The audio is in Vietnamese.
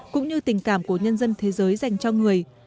cũng như tình cảm của nhân dân thế giới dành cho người